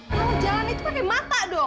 kalau jalan itu pakai mata dong